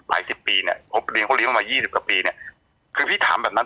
หลายสิบปีเนี่ยเดี๋ยวเขาดูเรามายี่สิบกว่าปีเนี่ยคือพี่ถามแบบนั้น